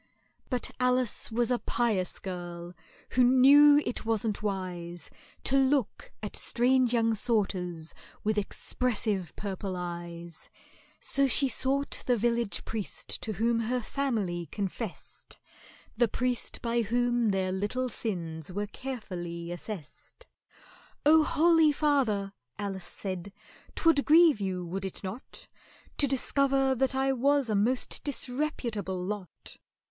But ALICE was a pious girl, who knew it wasn't wise To look at strange young sorters with expressive purple eyes; So she sought the village priest to whom her family confessed, The priest by whom their little sins were carefully assessed. "Oh, holy father," ALICE said, "'t would grieve you, would it not, To discover that I was a most disreputable lot?